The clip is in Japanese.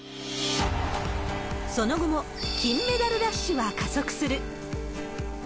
その後も金メダルラッシュは加速する。